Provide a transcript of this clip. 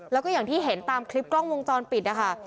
แล้วก็อย่างที่เห็นตามคลิปกล้องวงจรปิดนะคะ